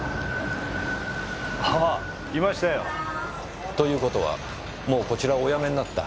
あぁいましたよ。ということはもうこちらをお辞めになった？